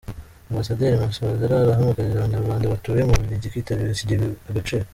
Ambasaderi Masozera arahamagarira abanyarwanda batuye mu Bubiligi kwitabira Ikijyega Agaciro